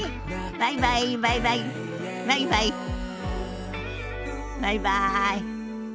バイバイ。